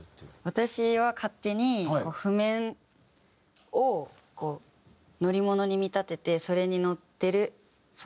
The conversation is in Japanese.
私は勝手に譜面をこう乗り物に見立ててそれに乗ってるその情景。